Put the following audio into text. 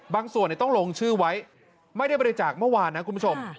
บางส่วนต้องลงชื่อไว้ไม่ได้บริจาคเมื่อวานนะคุณผู้ชม